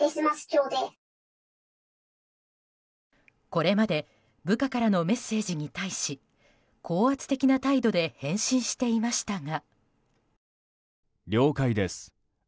これまで部下からのメッセージに対し高圧的な態度で返信していましたが。